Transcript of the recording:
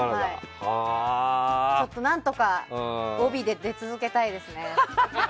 何とか、帯で出続けたいですね。